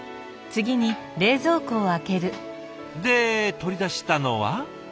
で取り出したのは？